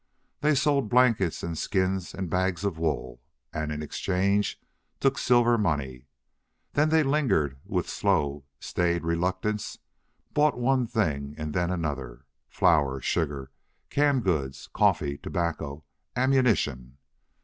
They sold blankets and skins and bags of wool, and in exchange took silver money. Then they lingered and with slow, staid reluctance bought one thing and then another flour, sugar, canned goods, coffee, tobacco, ammunition.